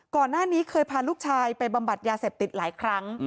ก่อนหน้านี้เคยพาลูกชายไปบำบัดยาเสพติดหลายครั้ง